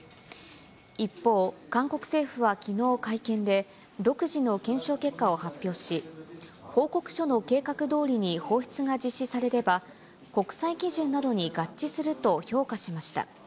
一方、韓国政府はきのう会見で、独自の検証結果を発表し、報告書の計画どおりに放出が実施されれば、国際基準などに合致すると評価しました。